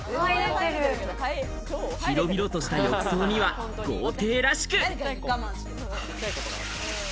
広々とした浴槽には豪邸らしく。